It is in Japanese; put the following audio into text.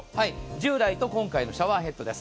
従来と今回のシャワーヘッドです。